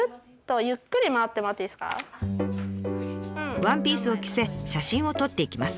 ワンピースを着せ写真を撮っていきます。